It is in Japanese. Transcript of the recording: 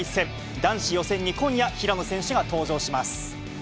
男子予選に今夜、平野選手が登場します。